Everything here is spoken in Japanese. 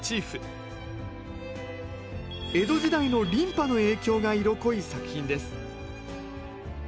江戸時代の琳派の影響が色濃い作品です